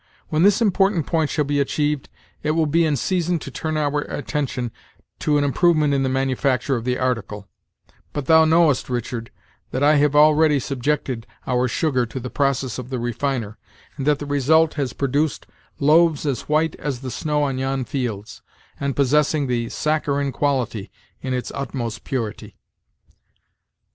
When this important point shall be achieved, it will be in season to turn our attention to an improvement in the manufacture of the article, But thou knowest, Richard, that I have already subjected our sugar to the process of the refiner, and that the result has produced loaves as white as the snow on yon fields, and possessing the saccharine quality in its utmost purity."